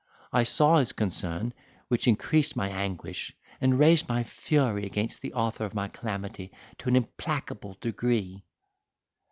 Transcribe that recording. I saw his concern, which increased my anguish, and raised my fury against the author of my calamity to an implacable degree.